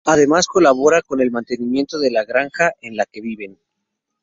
Además, colabora con el mantenimiento de la granja en la que viven.